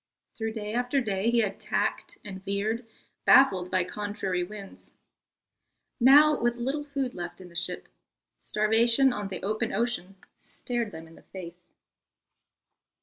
Through day after day he had tacked and veered, baffled by contrary winds. Now, with little food left in the ship, starvation on the open ocean stared them in the face.